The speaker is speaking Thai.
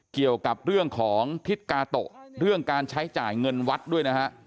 เกี่ยวกับเรื่องของทิศกาโตะเรื่องการใช้จ่ายเงินวัดด้วยนะฮะ